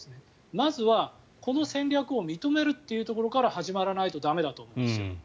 まずはこの戦略を認めるというところから始まらないと駄目だと思うんですよ。